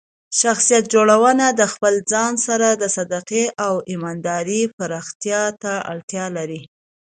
شخصیت جوړونه د خپل ځان سره د صادقۍ او ایماندارۍ پراختیا ته اړتیا لري.